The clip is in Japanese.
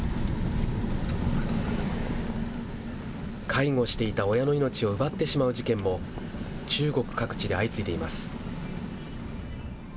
介護していた親の命を奪ってしまう事件も、中国各地で相次いでいます。